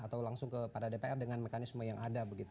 atau langsung kepada dpr dengan mekanisme yang ada